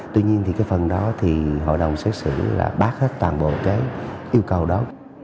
tuy nhiên thì cái phần đó thì hội đồng xét xử đã bác hết toàn bộ cái yêu cầu đó